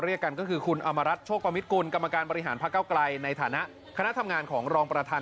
ให้กับคนที่เป็นผู้คนสำคัญในความคิดของเรา